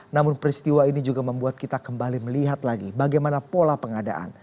namun peristiwa ini juga membuat kita kembali melihat lagi bagaimana pola pengadaan